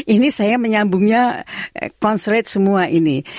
ini saya menyambungnya constrate semua ini